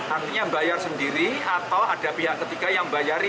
artinya bayar sendiri atau ada pihak ketiga yang bayari